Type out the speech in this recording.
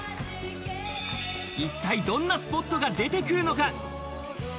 一体どんなスポットが出てくるのか？